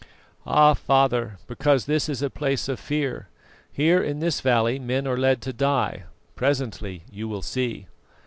"Ah! father, because this is a place of fear. Here in this valley men are led to die; presently you will see."